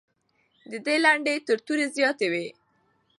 د دې لنډۍ تر تورې زیاتې وې.